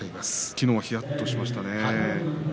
昨日はひやっとしましたね。